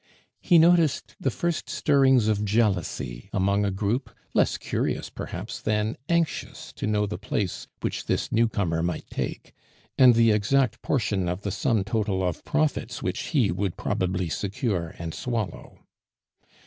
He noticed the first stirrings of jealousy among a group, less curious, perhaps, than anxious to know the place which this newcomer might take, and the exact portion of the sum total of profits which he would probably secure and swallow.